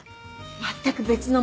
まったく別の物。